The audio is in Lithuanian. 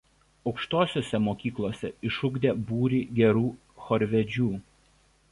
Aukštosiose mokyklose išugdė būrį gerų chorvedžių.